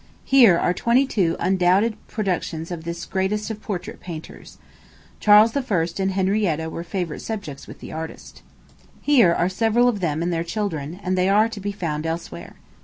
Here are twenty two undoubted productions of this greatest of portrait painters. Charles I. and Henrietta were favorite subjects with the artist. Here are several of them and their children, and they are to be found elsewhere.